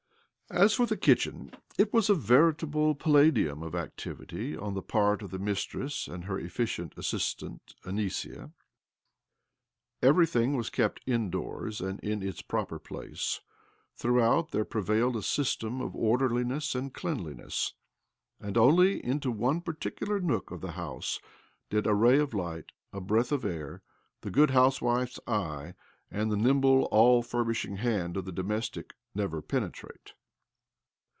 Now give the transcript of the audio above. As for the kitchen, it was a veritable palladium of activity on the part of the mistress and her efficient assistant, Anisia. Everything was kept indoors and in its proper place ; throughout there prevailed a system of orderliness and cleanliness ; and OBLOMOV 273 only into one particular nook of the house did a ray of light, a breath of air, the good housewife's eye, and the nimble, all furbish ing hand of the domestic never penetrate.